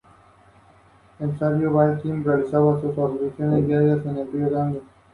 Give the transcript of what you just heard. El Coniaciense sucede al Turoniense y precede al Santoniense.